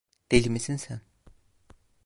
Deli misin sen?